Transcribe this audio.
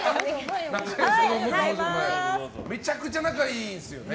めちゃくちゃ仲いいんですよね。